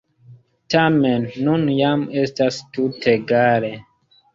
Tamen, nun jam estas tutegale.